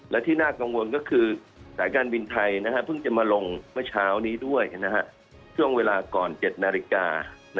และที่น่ากังวลก็คือสายการบินไทยเพิ่งจะมาลงเมื่อเช้านี้ด้วยช่วงเวลาก่อน๗นาฬิกา